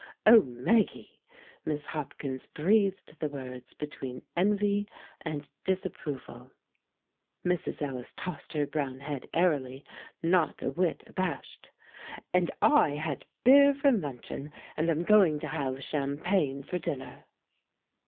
"Oh, Maggie!" Miss Hopkins breathed the words between envy and disapproval. Mrs. Ellis tossed her brown head airily, not a whit abashed. "And I had beer for luncheon, and I'm going to have champagne for dinner."